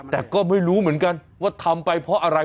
แต่ก็ไม่รู้เหมือนกันว่าทำไปเพราะอะไร